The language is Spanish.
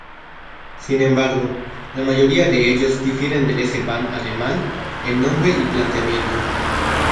Sin embargo, la mayoría de ellos difieren del S-Bahn alemán en nombre y planteamiento.